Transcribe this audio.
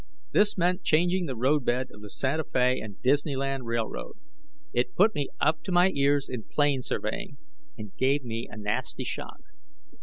This meant changing the roadbed of the Santa Fe & Disneyland R.R. It put me up to my ears in plane surveying and gave me a nasty shock.